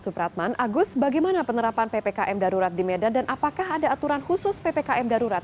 supratman agus bagaimana penerapan ppkm darurat di medan dan apakah ada aturan khusus ppkm darurat